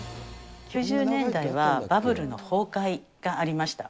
９０年代はバブルの崩壊がありました。